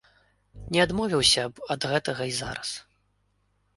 Не адмовіўся б ад гэтага і зараз.